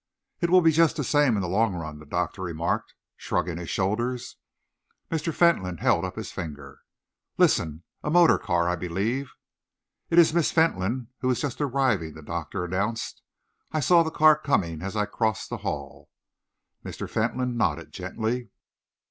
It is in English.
"It will be just the same in the long run," the doctor remarked, shrugging his shoulders. Mr. Fentolin held up his finger. "Listen! A motor car, I believe?" "It is Miss Fentolin who is just arriving," the doctor announced. "I saw the car coming as I crossed the hall." Mr. Fentolin nodded gently.